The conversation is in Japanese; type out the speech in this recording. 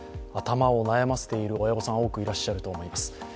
頭を悩ませている親御さん、多くいらっしゃると思います。